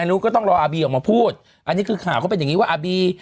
รู้ก็ต้องรออาบีออกมาพูดอันนี้คือข่าวเขาเป็นอย่างนี้ว่าอาบี